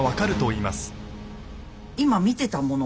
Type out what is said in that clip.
今見てたもの